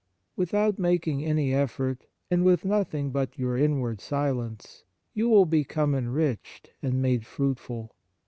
Without making any effort, and with nothing but your inward silence, you will be come enriched and made fruitful.